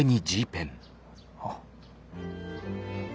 あっ。